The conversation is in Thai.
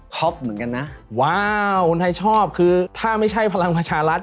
เหมือนกันนะว้าวคนไทยชอบคือถ้าไม่ใช่พลังประชารัฐ